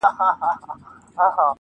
o ازادۍ ږغ اخبار د هر چا لاس کي ګرځي,